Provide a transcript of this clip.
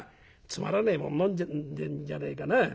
つまらねえもん飲んでんじゃねえかな。